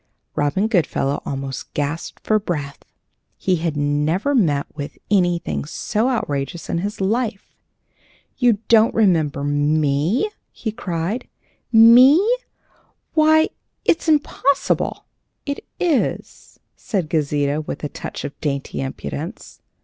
Robin Goodfellow almost gasped for breath. He had never met with anything so outrageous in his life. "You don't remember me?" he cried. "Me! Why, it's impossible!" "Is it?" said Gauzita, with a touch of dainty impudence.